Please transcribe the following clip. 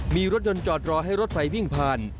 มีรถยนต์จอดรอให้รถไฟวิ่งผ่าน